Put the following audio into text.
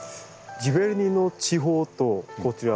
ジヴェルニーの地方とこちら